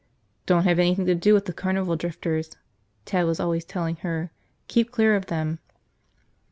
Don't have anything to do with the carnival drifters, Ted was always telling her, keep clear of them.